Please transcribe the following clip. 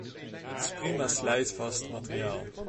Het is prima, slijtvast materiaal.